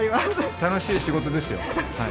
楽しい仕事ですよはい。